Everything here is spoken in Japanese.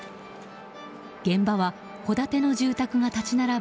現場は戸建ての住宅が立ち並ぶ